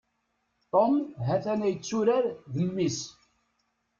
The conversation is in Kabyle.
Tom ha-t-an yetturar d mmi-s.